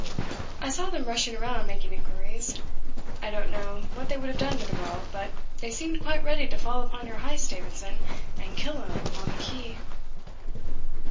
I saw them rushing around making inquiries. I don't know what they would have done to the girl, but they seemed quite ready to fall upon your Heyst, Davidson, and kill him on the quay."